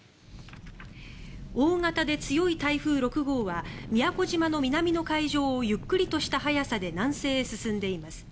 大型で強い台風６号は宮古島の南の海上をゆっくりとした速さで南西へ進んでいます。